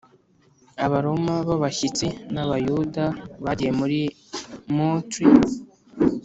Abaroma b abashyitsi n Abayuda bagiye muri moetri